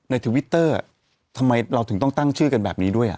ทวิตเตอร์ทำไมเราถึงต้องตั้งชื่อกันแบบนี้ด้วย